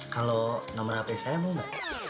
kalau nomer hp saya mau gak